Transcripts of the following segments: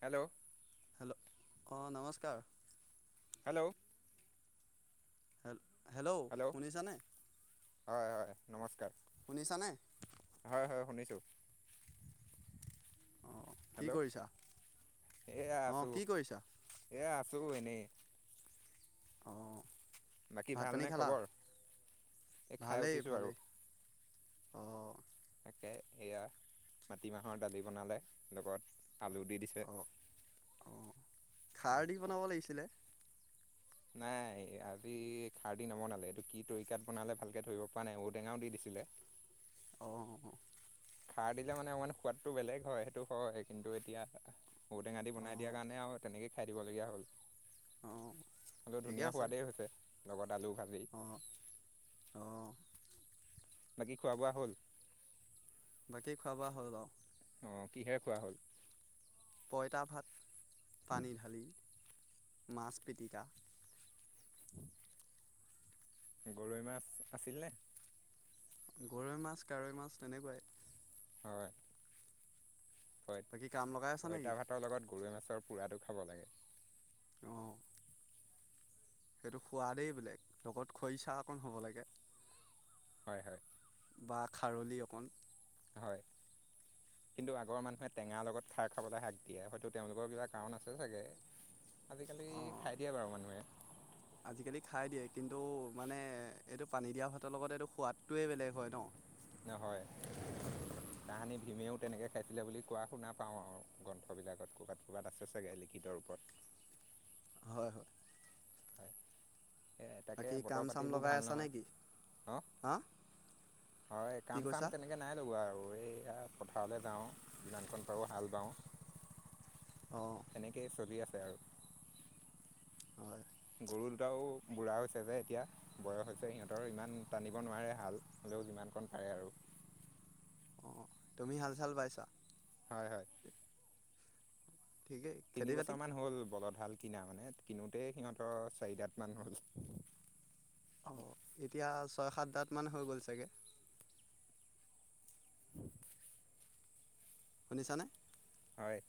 Hello hello অ নমস্কাৰ hello hello শুনিছা নে হয় হয় নমস্কাৰ শুনিছানে হয় [inaudible] অঁ কি হেল্ল' কৰিছা এয়া অঁ আছো কি কৰিছা এয়া আছো শোনে অঁ বাকী ভাত পানী ভালনে খালা খবৰ এই খাই ভালেই উঠিছোঁ ভালেই আৰু অঁ তাকে সেয়া মাটিমাহৰ দালি বনালে, লগত আলু দি দিছে, অঁ অঁ খাৰ হয়। দি বনাব লাগিছিলে নাই আজি খাৰ দি নবনালে, এইটো কি তৰিকাত বনালে ভালকে ধৰিব পৰা নাই, ঔটেঙাও দি দিছে। দিলে অ' অ'। খাৰ দিলে মানে অকমান সোৱাদটো বেলেগ হয়, সেইটো হয় কিন্তু এতিয়া, ঔটেঙা দি বনাই দিয়াৰ অঁ কাৰণে আৰু তেনেকেই খাই দিব লগীয়া হ'ল, অঁ হ'লেও ঠিকে ধুনীয়া আছে সোৱাদেই হৈছে। খালো ভালেই। অঁ অঁ বাকী খোৱা বোৱা হ'ল? বাকী খোৱা বোৱা হ'ল অ'। অ', কিহে খোৱা হ'ল? পঁইতা ভাত, পানী ঢালি, মাছ পিটিকা। [unintelligible] গৰৈ মাছ আছিলনে? গৰৈ মাছ, কাৱৈ মাছ তেনেকুৱাই। হয়, হয়, বাকী কাম লগাই আছা নেকি পঁইতা ভাতৰ লগত গৰৈ মাছৰ পুৰাটো খাব লাগে। অ'। সেইটো সোৱাদেই বেলেগ, লগত খৰিচা অকণ হ'ব লাগে। হয়, হয়। বা খাৰলি অকণ। হয়। কিন্তু আগৰ মানুহে টেঙাৰ লগত খাৰ খাবলৈ হাক দিয়ে, হয়তো তেওঁলোকৰ কিবা কাৰণ আছে চাগে। আজিকালি অঁ খাই দিয়ে বাৰু মানুহে। আজিকালি খাই দিয়ে কিন্তু মানে এইটো পানী দিয়া ভাতৰ লগত এইটো সোৱাদটোৱে বেলেগ হয় ন। নহয়। [unintelligible] তাহানি ভীমেও তেনেকৈ খাইছিলে বুলি কোৱা শুনা পাওঁ আৰু, গ্ৰন্থবিলাকত ক'ৰবাত, ক'ৰবাত আছে চাগে লিখিত ৰূপ [unintelligible] হয় বাকী তাকেহে বতৰ কাম চাম পাতিবোৰ লগাই ভাল আছা নহয়, নেকি অ'। হা হয়, কি কাম কৈছা চাম তেনেকে নাই লগোৱা আৰু এই এয়া, পথাৰলৈ যাওঁ, যিমানকণ পাৰোঁ হাল বাওঁ। অঁ তেনেকেই চলি আছে আৰু। হয় গৰু দুটাও বুঢ়া হৈছে যে এতিয়া বয়স হৈছে, সিহঁতৰ ইমান টানিব নোৱাৰে হাল, হ'লেও যিমান [unintelligible] আৰু। [unintelligible] অ', তুমি হাল-চাল বাইচা? হয়, হয়। ঠিকেই তিনি খেতি বাতি বছৰ মান হ'ল বলধ হাল কিনা মানে, কিনোতেই সিহঁতৰ চাৰিদাত মান হ'ল। অ', এতিয়া ছয় সাতদাত মান হৈ গ'ল চাগে। [unintelligible] শুনিছা নে? হয়।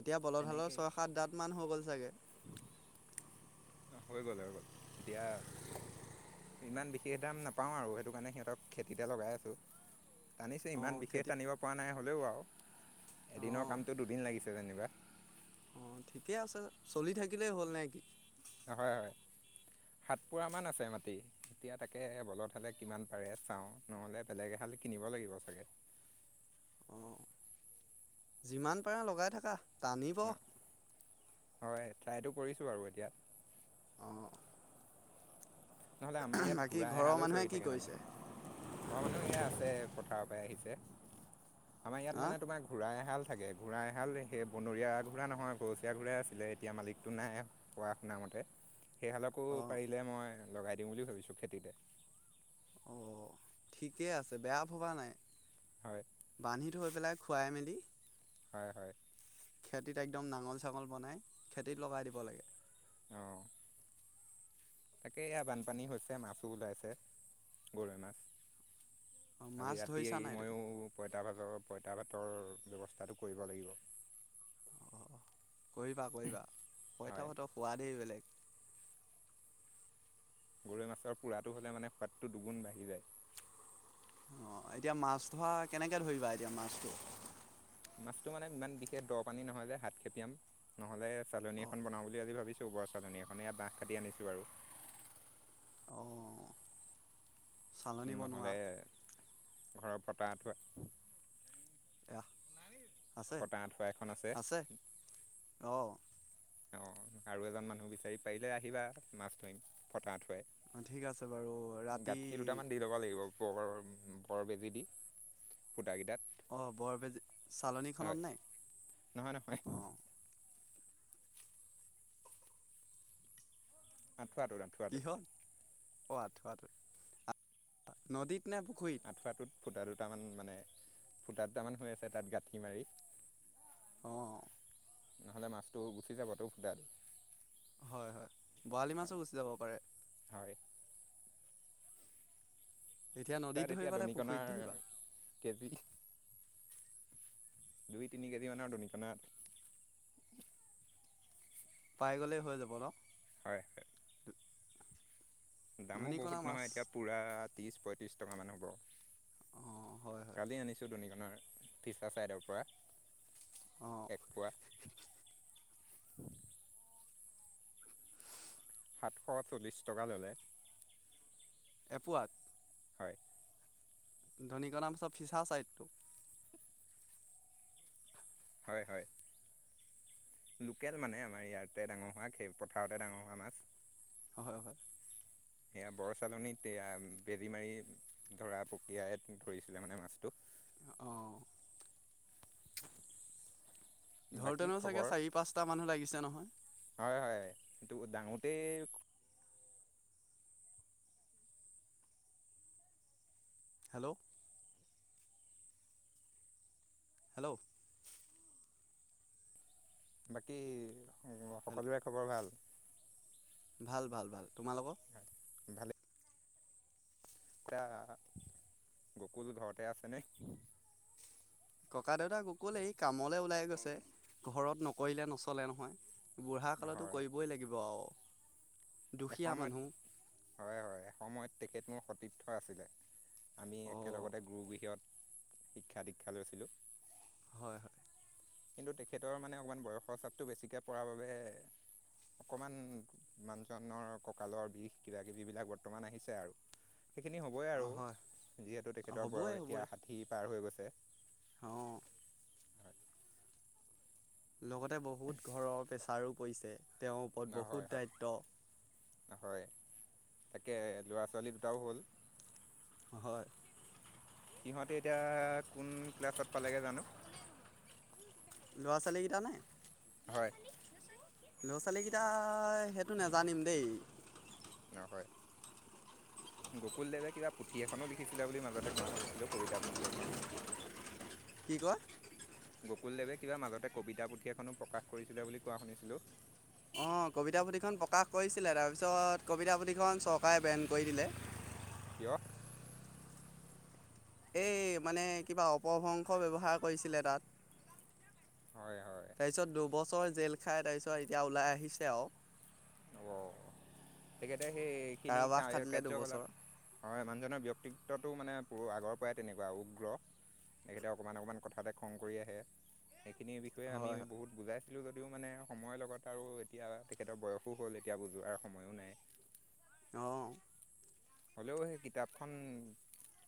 এতিয়া বলধহালৰ তেনেকেই ছয়-সাত দাত মান হৈ গ'ল চাগে। হৈ গ'ল হৈ গ'ল, এতিয়া ইমান বিশেষ দাম নাপাওঁ আৰু সেইটোকাৰণে সিহঁতক খেতিতে লগাই আছোঁ। টানিছে অঁ ইমান বিশেষ খেতিত টানিব পৰা নাই, হ'লেও আৰু এদিনৰ অঁ কামতো দুদিন লাগিছে যেনিবা। অঁ ঠিকে আছে, চলি থাকিলেই হ'ল নে কি? হয়, হয়। সাত পোৰা মান আছে মাটি। এতিয়া তাকে বলত হালে কিমান পাৰে চাওঁ নহ'লে বেলেগ এ কিনিব লাগিব চাগে। [unintelligible] অ', যিমান পাৰা লগাই থাকা টানিব। ন হয়, ট্ৰাইটো কৰিছোঁ আৰু অ', নহ'লে আমাৰ ইয়াত ঘোঁৰা ঘৰৰ এহালেও মানুহে চৰি কি থাকে মানে, কৰিছে ঘৰৰ মানুহ এইয়া আছে পথাৰৰ পৰাই আহিছে। আমাৰ ইয়াত হা মানে তোমাৰ ঘোঁৰা এহাল থাকে ঘোৰা এহাল সেই বনৰীয়া ঘূঁৰা নহয়, গৰচীয়া ঘূৰাই আছিলে। এতিয়া মালিকটো নাই। কোৱা শুনা মতে সেইহালকো অঁ পাৰিলে মই লগাই দিওঁ বুলি ভাবিছোঁ খেতিতে। অঁ ঠিকে আছে। বেয়া ভবা নাই হয় বান্ধি থৈ পেলাই খুৱাই মেলি হয়। হয়। খেতিত একদম নাঙল-চাঙল বনাই খেতিত লগাই দিব লাগে। আহঁ তাকে এয়া বানপানী হৈছে, মাছো ওলাইছে গৰৈ মাছ। অ' আৰু মাছ ৰাতিয়ে ধৰিছা নাই ময়ো তুমি প পঁইতা ভাতৰ পঁইতা ভাতৰ ব্যৱস্থাটো কৰিব লাগিব। কৰিবা কৰিবা পইটা হয় ভাতৰ সোৱাদেই বেলেগ। গৰৈ মাছৰ পোৰাটো হ'লে মানে সোৱাদটো দুগুণ বাঢ়ি যায়। আহ এতিয়া মাছ ধৰা, কেনেকে ধৰিবা এতিয়া মাছটো? মাছটো মানে ইমান বিশেষ দ' পানী নহয় যে, হাত খেপিয়াম। নহ'লে চালনী অ' এখন বনাওঁ বুলি আজি ভাবিছো। [unintelligible] বাহ কাটি আনিছো আৰু অঁ নহ'লে ঘৰৰ পতাঠ এয়া আছে ফটা আঁঠুৱা এখন আছে। অ' অ আৰু এজন মানুহ বিচাৰি, পাৰিলে আহিবা মাছ ধৰিম ফটা উঠুৱাই অ ঠিক আছে বাৰু ৰাতি দুটামান দি ল'ব লাগিব বৰ, বৰ বেজী দি সূটাকেইটাত আহ, বৰবেজ চালনীখনত নে? নহয় নহয় অ আঁঠুৱাটোত আঁঠুৱাটোত কিহত অ আঠুৱটো। নদীত নে পুখুৰীত? আঁঠুৱাটোত ফুটা দুটামান মানে, ফুটা দুটামান হৈ আছে তাত গাঁঠি মাৰি অঁ নহ'লে মাছটো গুচি যাবতে ফুটা দি হয়। হয়। বৰালি হয় মাছো গুচি যাব পাৰে। হয় এতিয়া নদীত তাত এতিয়া ধৰিবা নে পুখুৰীত দনিকণাৰ ধৰিবা কেজি দুই-তিনি কেগি মানৰ দনিকণ পাই গ'লেই হৈ যাব ন! হয় হয় দামো ধনিকণা বহুত মাছ নহয়, এতিয়া পুৰা ত্ৰিছ পঁয়ত্ৰিছ টকামান হ'ব। অঁ হয় হয় কালি আনিছোঁ দনিকনৰ ফিছা ছাইডৰ পৰা। অঁ এক পোৱা। সাতশ চল্লিছ টকা ল'লে। এপোৱাত? হয়। [unintelligible] হয়। হয়। লোকেল মানে আমাৰ ইয়াতে ডাঙৰ হোৱা। খেল পথাৰতে ডাঙৰ হোৱা মাছ। হয়। হয়। সেয়া বৰচালনীত এয়া বেজী মাৰি ধৰা প্ৰক্ৰিয়াই ধৰিছিলে মানে মাছটো অঁ বাকী ধৰোঁতেনো চাগে খবৰ চাৰি পাঁচটা মানুহ লাগিছে নহয় হয় হয় সেটো ডাঙোতেই হেল্ল' হেল্ল' বাকী হেল্ল' সকলোৰে খবৰ ভাল ভাল ভাল ভাল তোমালোক ভালে এতিয়া গকুল ঘৰতে আছে নে ককা দেউতাক গকুল এই কামলে ওলাই গৈছে ঘৰত নকৰিলে নচলে নহয় বুঢ়া কালতো হয় কৰিবই লাগিব আৰু দুখীয়া এসময়ত মানুহ হয় হয় এসময়ত তেখেত মোৰ সতীৰ্থ আছিলে আমি অঁ একেলগতে গুৰুগৃহত শিক্ষা দীক্ষা লৈছিলোঁ হয় হয় কিন্তু তেখেতৰ মানে অকমান বয়সৰ চাপটো বেছিকে পৰাৰ বাবে অকণমান মানুহজনৰ কঁকালৰ বিষ কিবাকিবিবিলাক বৰ্তমান আহিছে আৰু সেইখিনি হ'বই অঁ আৰু হয় যিহেতু তেখেতৰ হ'বই বয়স এতিয়া হ'বই ষাঠি পাৰ হৈ গৈছে অঁ লগতে বহুত ঘৰৰ প্ৰেছাৰো পৰিছে তেওঁৰ ওপৰত হয় হয় বহুত হয় দায়িত্ব হয় তাকে ল'ৰা ছোৱালী দুটাও হ'ল হয় সিহঁতে এতিয়া কোন ক্লাছত পালেগে জানো ল'ৰা ছোৱালীগিতা নে হয় ল'ৰা ছোৱালীগিতা সেইটো নাজানিম দেই গকুল দেৱে কিবা পুথি এখনো লি লিখিছিলে বুলি মাজতে কোৱা শুনিছিলো কবিতা পুথি এখন কি কয় গকুলদেৱে কিবা মাজতে কবিতা পুথি এখনো প্ৰকাশ কৰিছিলে বুলি কোৱা শুনিছিলো অ', কবিতা পুথিখন প্ৰকাশ কৰিছিলে তাৰপিছত কবিতা পুথিখন চৰকাৰে বেন কৰি দিলে কিয় এই মানে কিবা অপভ্বংশ ব্যৱহাৰ কৰিছিলে তাত হয় হয় তাৰপিছত দুবছৰ জেল খাই তাৰপিছত এতিয়া ওলাই আহিছে আৰু অ' তেখেতে সেইখিনি কাৰাবাস খাটিলে কাৰ্যকলাপ দুবছৰ হয় মানুজনৰ ব্যক্তি ব্যক্তিত্বটো মানে আগৰ পৰাই তেনেকুৱা উগ্ৰ তেখেতে অকণমান অকণমান কথাতে খং কৰি আহে সেইখিনিৰ বিষয়ে আমি হয় হয় বহুত বুজাইছিলো যদিও মানে সময়ৰ লগত আৰু এতিয়া তেখেতৰ বয়স বয়সো হ'ল এতিয়া বুজোৱাৰ সময়ো নাই অ', হ'লেও সেই কিতাপখন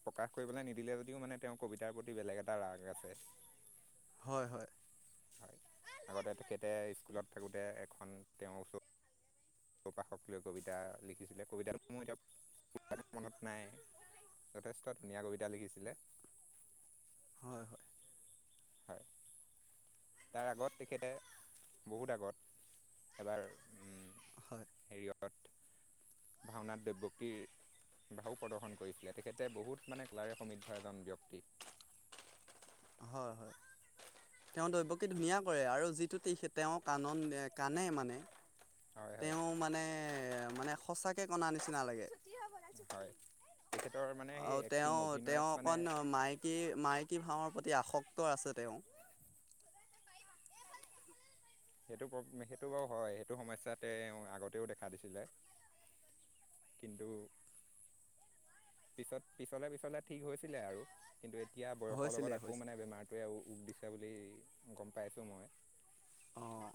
প্ৰকাশ কৰিবলৈ নিদিলে যদিও মানে তেওঁৰ কবিতাৰ প্ৰতি বেলেগ এটা ৰাগ আছে হয় হয় হয় আগতে তেখেতে স্কুলত থাকোঁতে এখন তেওঁৰ ওচৰত প্ৰকাশক লৈ কবিতা লিখিছিলে কবিতাটো মোৰ এতিয়া মনত নাই যথেষ্ট ধুনীয়া কবিতা লিখিছিলে হয় হয় হয় তাৰ আগত তেখেতে বহুত আগত এবাৰ হয় হেৰিয়ত ভাওনাত দৈৱকীৰ ভাও প্ৰদৰ্শন কৰিছিলে তেখেতে বহুত মানে কলাৰে সমৃদ্ধ এজন ব্যক্তি হয় হয়। তেওঁ দৈব্যকী ধুনীয়া কৰে আৰু যিটো তেওঁ কানন কানে মানে। হয় হয় তেওঁ মানে মানে সঁচাকে কনা নিচিনা লাগে। হয় তেখেতৰ মানে সেই অ', এক্টিং তেওঁ তেওঁ অভিনয়ত মানে অকণ মাইকী মাইকী ভাওঁৰ প্ৰতি আসক্ত আছে তেওঁ। সেইটো সেইটো বাৰু হয় সেইটো সমস্যাতে আগতেও দেখা দিছিলে কিন্তু পিছত পিছলে পিছলে ঠিক হৈছিলে আৰু কিন্তু এতিয়া বয়সৰ হৈছিলে লগত আকৌ হৈছিলে মানে বেমাৰটোৱে ৰোগ দিছে বুলি গম পাইছোঁ মই। অঁ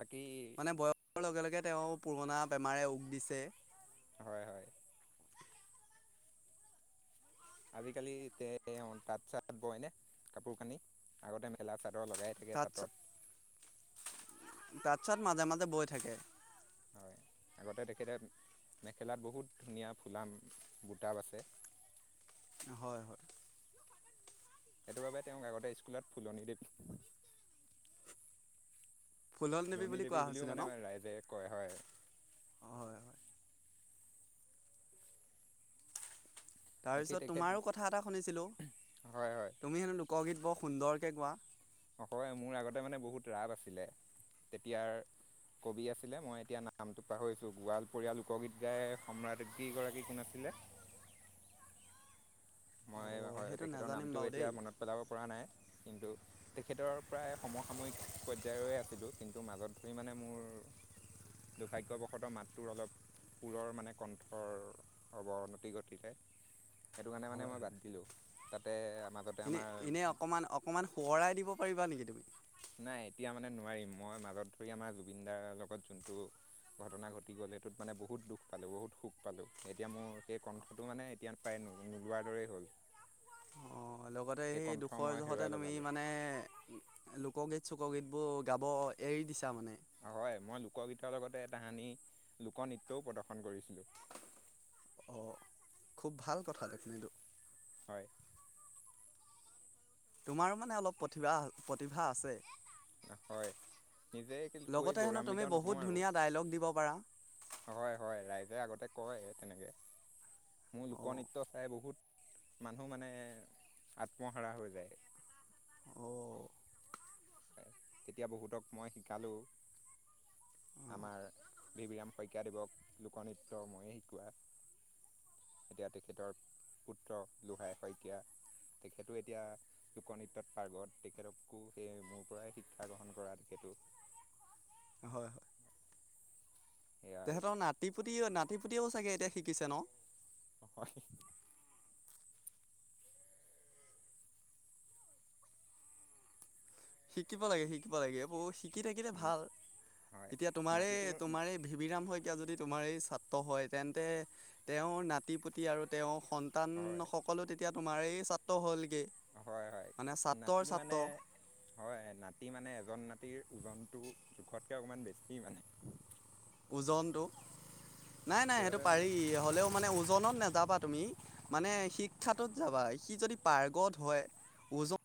বাকী মানে বয়সৰ লগে লগে তেওঁ পুৰণা বেমাৰে উক দিছে। হয় হয়। আজিকালি তে তাঁত চাত বয় নে কাপোৰ কানি আগতে মেখেলা চা লগাই থাকে তাঁত তাঁতত তাৰছত মাজে মাজে বৈ থাকে। হয় আগতে তেখেতে মেখেলাত বহুত ধুনীয়া ফুলা বুটা আছে। হয় হয়। সেইটো বাবে তেওঁক আগতে স্কুলত ফুলনি দিম ফুলল ফুলণী বুলি দেৱী কোৱা বুলিও হৈছিলে ন মানে ৰাইজে কয় হয়। হয় হয় বাকী তাৰপিছত তেখেত তোমাৰো কথা এটা শুনিছিলো হয় হয় তুমি হেনো লোকগীত বৰ সুন্দৰকৈ গোৱা। অক মোৰ আগতে মানে বহুত ৰাপ আছিলে তেতিয়াৰ কবি আছিলে মই এতিয়া নামটো পাহৰিছো গোৱালপৰীয়া লোকগীত গাই সম্ৰাজ্ঞি গৰাকী কোন আছিলে। হে। [inaudible] মই অঁ হয় সেইটো তেখেতৰ নাজানিম নামটো বাৰু এতিয়া দেই মনত পেলাব পৰা নাই কিন্তু তেখেতৰ প্ৰায় সমসাময়িক পৰ্যায়ৰে আছিলো কিন্তু মাজত ধৰি মানে মোৰ দুৰ্ভাগ্যবশতঃ মাতটোৰ অলপ সুৰৰ মানে কণ্ঠৰ অৱনতি ঘটিলে সেইটো কাৰনে মান হয় মই হয় বাদ দিলোঁ তাতে মাজতে এনেই আমাৰ এনেই অকণমান অকণমান সোঁৱৰাই দিব পাৰিবা নেকি তুমি নাই এতিয়া মানে নোৱাৰিম মই মাজত ধৰি আমাৰ জুবিন দাৰ লগত যোনটো ঘটনা ঘটি গ'ল সেইটোত মানে বহুত দুখ পালো বহুত শোক পালো এতিয়া মোৰ সেই কণ্ঠটো মানে এতিয়া প্ৰায় নোলোৱাৰ দৰেই হ'ল। অ', লগতে সেই কণ্ঠ দুখৰ মই জহতে হেৰুৱাই তুমি পেলালোঁ মানে লোকগীত চক গীত বোৰ গাব এৰি দিছা মানে। হয় মই লোকগীতৰ লগতে তাহানি লোকনৃত্যও প্ৰদৰ্শন কৰিছিলো। অ', খুব ভাল কথা দেখোন এইতো হয় তোমাৰো মানে অলপ প্ৰতিভা প্ৰতিভা আছে। নহয় নিজে কৈ লগতে হেনো তুমি গৌৰাান্বিত নহওঁ বহুত আৰু। ধুনীয়া ডায়লগ দিব পাৰা হয় হয় ৰাইজে আগতে কয় তেনেকৈ মোৰ অ' লোকনৃত্য চাই বহুত মানুহ মানে আত্মহাৰা হৈ যায়। অ'। তেতিয়া বহুতক মই শিকালোঁ। অ' আমাৰ ভিভিৰাম শইকীয়াদেৱক লোকনৃত্য ময়ে শিকোৱা। এতিয়া তেখেতৰ পুত্ৰ লোহাই শইকীয়া তেখেতো এতিয়া লোকনৃত্যত পাৰ্গত তেখেতকো সেই মোৰ পৰাই শিক্ষা গ্ৰহণ কৰা তেখেতো। হয় হয়। সেয়া আৰু তেহেতৰ নাতিপুতি নাতিপুতিও চাগে এতিয়া শিকিছে ন'। [inaudible] শিকিব লাগে শিকিবা লাগে বৌ শ থাকি থাকিতে হয় ভাল হয় এতিয়া তোমাৰেই নাতিটোৰ তোমাৰেই ভিভিৰাম শইকীয়া যদি তোমাৰ এই ছাত্ৰ হয় তেন্তে তেওঁৰ নাতি পুতি আৰু তেওঁ সন্তান হয় সকলো তেতিয়া তোমাৰ এই ছাত্ৰ হ'ল হয় হয় মানে নাতি ছাত্ৰৰ মানে ছাত্ৰ হয় নাতি মানে এজন নাতিৰ ওজনটো জোখতকে অকমান বেছি মানে ওজনতটো নাই, নাই সেইটো সেইবাবে মানে পাৰি হ'লেও মানে ওজনত নাযাবা তুমি মানে শিক্ষাত যাবা সি যদি পাৰ্গত হয় ওজন